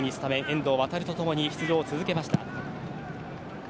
遠藤航と共に出場を続けました。